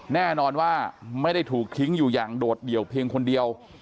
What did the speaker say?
แน่นอนว่าไม่ได้ถูกทิ้งอยู่อย่างโดดเดี่ยวเพียงคนเดียว